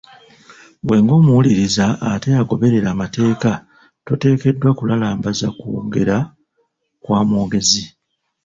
Ggwe ng’omuwuliriza ate agoberera amateeka toteekeddwa kulalambaza kwogera kwa mwogezi.